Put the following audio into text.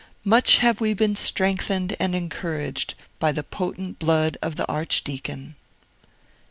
Much have we been strengthened and encouraged by the potent blood of the Archdeacon!